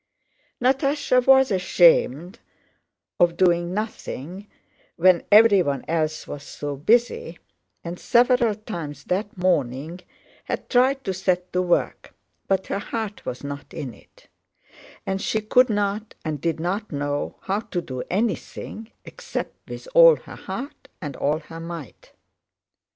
Natásha was ashamed of doing nothing when everyone else was so busy, and several times that morning had tried to set to work, but her heart was not in it, and she could not and did not know how to do anything except with all her heart and all her might.